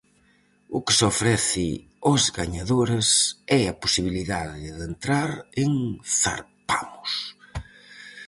O que se ofrece aos gañadores é a posibilidade de entrar en Zarpamos.